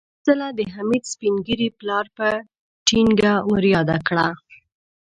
يو دوه ځله د حميد سپين ږيري پلار په ټينګه ور ياده کړه.